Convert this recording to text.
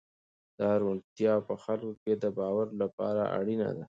دا روڼتیا په خلکو کې د باور لپاره اړینه ده.